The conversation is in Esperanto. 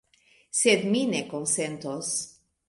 Sed mi ne konsentos.